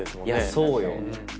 いやそうよ。